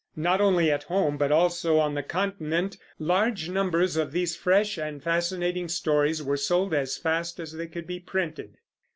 Not only at home, but also on the Continent, large numbers of these fresh and fascinating stories were sold as fast as they could be printed.